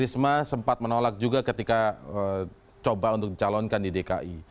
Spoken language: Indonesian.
risma sempat menolak juga ketika coba untuk dicalonkan di dki